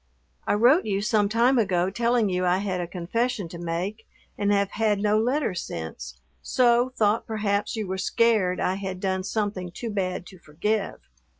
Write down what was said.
I wrote you some time ago telling you I had a confession to make and have had no letter since, so thought perhaps you were scared I had done something too bad to forgive.